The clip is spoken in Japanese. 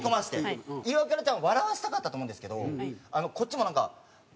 イワクラちゃん笑わせたかったと思うんですけどこっちもなんか。